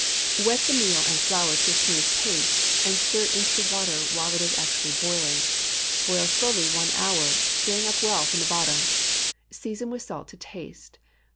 Wet the meal and flour to a smooth paste, and stir into the water while it is actually boiling. Boil slowly one hour, stirring up well from the bottom. Season with salt to taste.